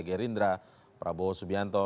partai gerindra prabowo subianto